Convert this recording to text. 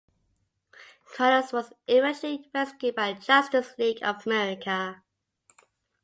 Chronos was eventually rescued by the Justice League of America.